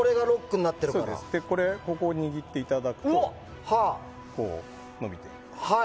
ここを握っていただくとこう伸びていくと。